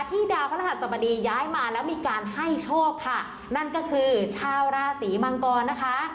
ดาวพระรหัสบดีย้ายมาแล้วมีการให้โชคค่ะนั่นก็คือชาวราศีมังกรนะคะ